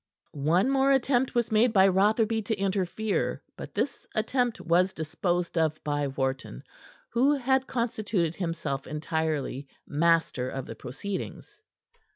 One more attempt was made by Rotherby to interfere, but this attempt was disposed of by Wharton, who had constituted himself entirely master of the proceedings.